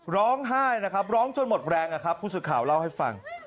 ร้องไห้ร้องจนหมดแรงนะครับผู้สืบข่าวนี้เล่าให้ฟัง